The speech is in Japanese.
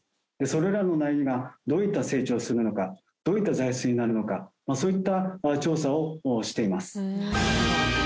それらの苗木がどういった成長をするのかどういった材質になるのかそういった調査をしています。